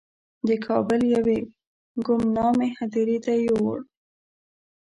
د کابل یوې ګمنامې هدیرې ته یې یووړ.